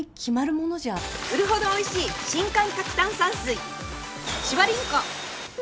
振るほどおいしい新感覚炭酸水シュワリンコ。